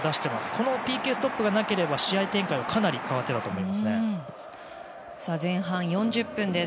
このＰＫストップがなければ試合展開は前半４０分です。